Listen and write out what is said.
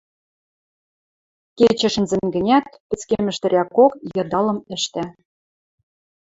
Кечӹ шӹнзӹн гӹнят, пӹцкемӹштӹрӓкок йыдалым ӹштӓ.